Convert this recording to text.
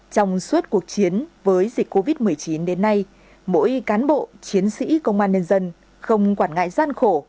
trong suốt cuộc chiến với dịch covid một mươi chín đến nay mỗi cán bộ chiến sĩ công an nhân dân không quản ngại gian khổ